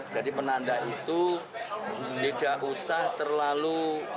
jadi penanda itu tidak usah terlalu